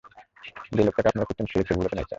যে লোকটাকে আপনারা খুঁজছেন সে এই ছবিগুলোতে নেই, স্যার।